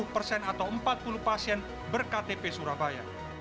lima puluh persen atau empat puluh pasien berktp surabaya